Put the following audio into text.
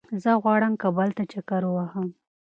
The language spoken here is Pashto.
زه غواړم کابل ته چکر ووهم